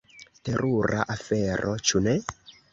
Terura afero, ĉu ne?